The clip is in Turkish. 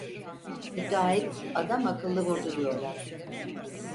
Müteahhit adamakıllı vurdu diyorlar.